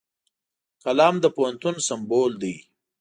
قلم د پوهنتون سمبول دی